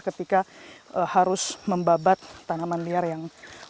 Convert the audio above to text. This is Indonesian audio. ketika harus membabat tanaman liar yang